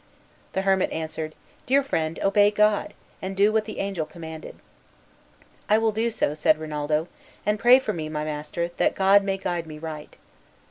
The hermit answered, "Dear friend, obey God, and do what the angel commanded." "I will do so," said Rinaldo, "and pray for me, my master, that God may guide me right."